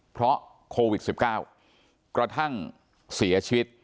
เพราะโควิด๑๙กระทั่งเสียชีวิต